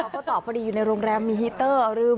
ก็ตอบพอดีอยู่ในโรงแรมมีฮีเตอร์ลืม